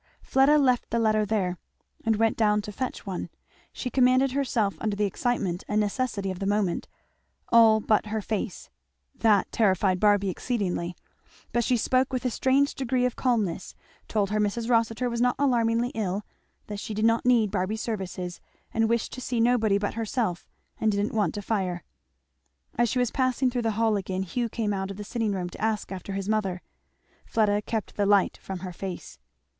Fleda left the letter there and went down to fetch one. She commanded herself under the excitement and necessity of the moment, all but her face; that terrified Barby exceedingly. But she spoke with a strange degree of calmness; told her Mrs. Rossitur was not alarmingly ill; that she did not need Barby's services and wished to see nobody but herself and didn't want a fire. As she was passing through the hall again Hugh came out of the sitting room to ask after his mother. Fleda kept the light from her face.